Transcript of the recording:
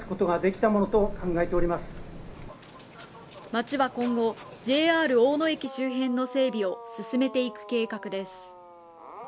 町は今後ＪＲ大野駅周辺の整備を進めていく計画です